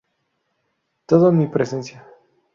Todo en mi presencia.